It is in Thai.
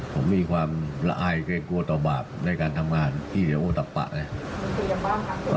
ผมมีความละอายเกรงกลัวต่อบาปในการทำงานที่เหลือโอตับปะนะ